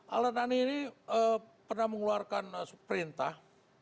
al adnani ini pernah mengeluarkan perintah